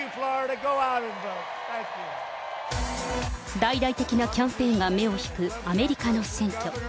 大々的なキャンペーンが目を引くアメリカの選挙。